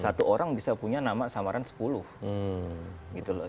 satu orang bisa punya nama samaran sepuluh gitu loh